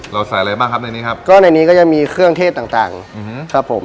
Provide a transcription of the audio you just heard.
ใส่อะไรบ้างครับในนี้ครับก็ในนี้ก็ยังมีเครื่องเทศต่างต่างอืมครับผม